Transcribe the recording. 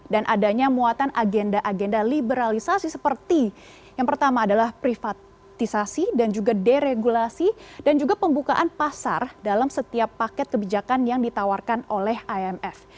dan adanya muatan agenda agenda liberalisasi seperti yang pertama adalah privatisasi dan juga deregulasi dan juga pembukaan pasar dalam setiap paket kebijakan yang ditawarkan oleh imf